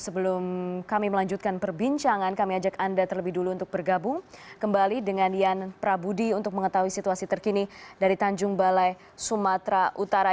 sebelum kami melanjutkan perbincangan kami ajak anda terlebih dulu untuk bergabung kembali dengan yan prabudi untuk mengetahui situasi terkini dari tanjung balai sumatera utara